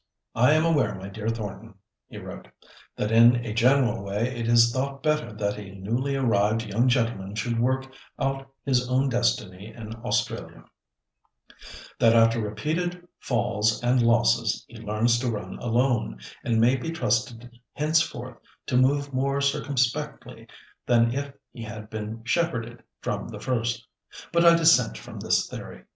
"I am aware, my dear Thornton," he wrote, "that in a general way it is thought better that a newly arrived young gentleman should work out his own destiny in Australia—that after repeated falls and losses he learns to run alone, and may be trusted henceforth to move more circumspectly than if he had been 'shepherded' from the first. But I dissent from this theory.